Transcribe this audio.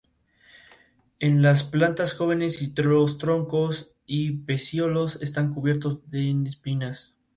La tormenta adquirió características tropicales y Hortensia fue nombrada al día siguiente.